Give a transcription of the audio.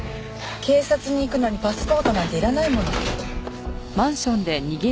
警察に行くのにパスポートなんていらないもの。